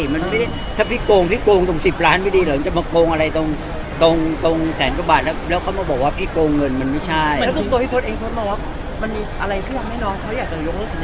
เหมือนกับตัวที่โทษเองโทษมาว่ามันมีอะไรเพื่อให้น้องเขาอยากจะยกลูกสัญญาณ